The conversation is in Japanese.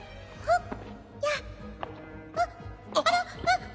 あっああ！